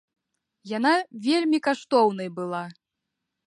Яна вельмі каштоўнай была.